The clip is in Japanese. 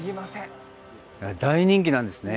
大人気なんですね。